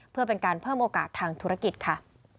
เพื่อเป็นการเพิ่มโอกาสทางธุรกิจค่ะ